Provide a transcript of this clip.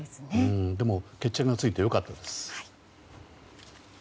でも、決着がついて良かったです。